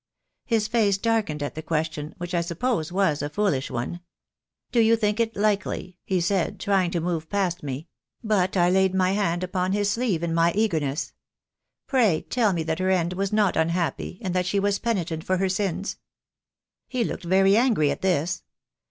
His face darkened at the question, which I suppose was a foolish one. 'Do you think it likely?' he said trying to move past me; but I had laid my hand upon his sleeve in my eagerness. 'Pray tell me that her end was not unhappy — and that she was penitent for her sins.' He looked very angry at this.